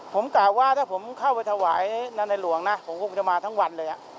ผมกล่าวว่าถ้าผมเข้าไปถวายในหลวงนะผมคงจะมาทั้งวันเลย